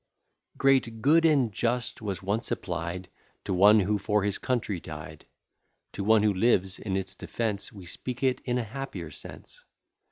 _ I, ii, 45. Great, good, and just, was once applied To one who for his country died;[l] To one who lives in its defence, We speak it in a happier sense.